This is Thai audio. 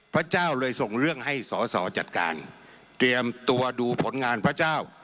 พระเจ้าเลยส่งเรื่องให้สอสอจัดการเตรียมตัวดูผลงานพระเจ้า